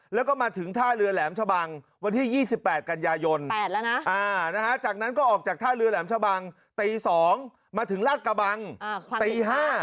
แล้วก็มาถึงท่าเรือแหลมชะบังวันที่๒๘กันยายนจากนั้นก็ออกจากท่าเรือแหลมชะบังตี๒มาถึงราชกระบังตี๕